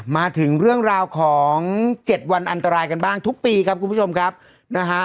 มาถึงเรื่องราวของเจ็ดวันอันตรายกันบ้างทุกปีครับคุณผู้ชมครับนะฮะ